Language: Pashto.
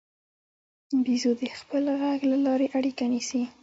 بیزو د خپل غږ له لارې اړیکه نیسي.